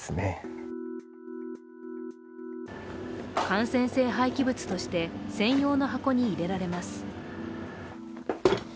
感染性廃棄物として専用の箱に入れられます。